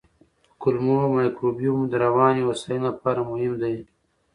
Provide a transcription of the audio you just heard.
کولمو مایکروبیوم د رواني هوساینې لپاره مهم دی.